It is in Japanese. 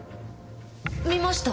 見ました。